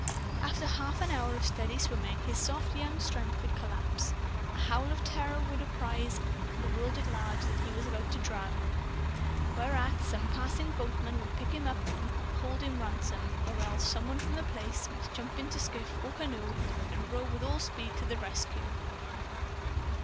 After a half hour of steady swimming, his soft young strength would collapse. A howl of terror would apprise the world at large that he was about to drown. Whereat some passing boatman would pick him up and hold him for ransom, or else some one from The Place must jump into skiff or canoe and hie with all speed to the rescue.